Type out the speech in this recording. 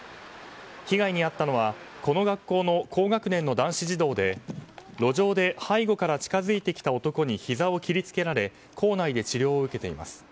被害に遭ったのはこの学校の高学年の男子児童で路上で背後から近付いてきた男にひざを切り付けられ校内で治療を受けています。